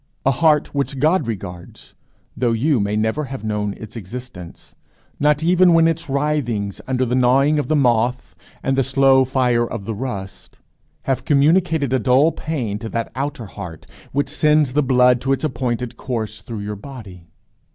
a heart which God regards, though you may never have known its existence, not even when its writhings under the gnawing of the moth and the slow fire of the rust have communicated a dull pain to that outer heart which sends the blood to its appointed course through your body?